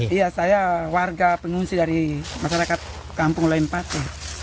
iya saya warga pengungsi dari masyarakat kampung lempati